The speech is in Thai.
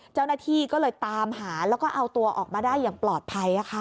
เจ้าหน้าที่ก็เลยตามหาแล้วก็เอาตัวออกมาได้อย่างปลอดภัย